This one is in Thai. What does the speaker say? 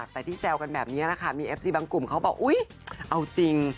แต่ที่แซวกันแบบนี้นะคะมีเอฟซีบางกลุ่มเขาบอกอุ๊ยเอาจริง